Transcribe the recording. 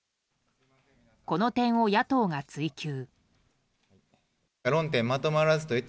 この点を野党が追及。